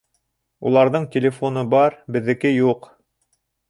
Уларҙың телефоны бар, беҙҙеке юҡ.